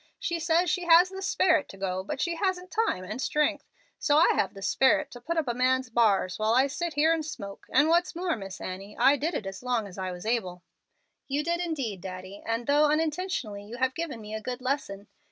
She says she has the 'sperit to go,' but she hasn't time and strength. So I have the 'sperit' to put up a man's bars while I sit here and smoke, and what's more, Miss Annie, I did it as long as I was able." "You did indeed, Daddy, and, though unintentionally, you have given me a good lesson.